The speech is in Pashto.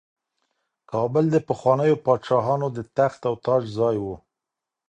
کابل د پخوانیو پاچاهانو د تخت او تاج ځای و.